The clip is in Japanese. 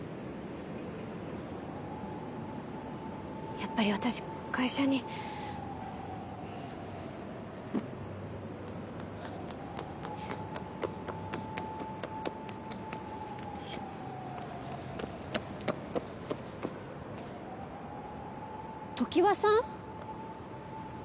やっぱり私会社によいしょ常盤さん？